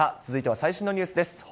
続いては最新のニュースです。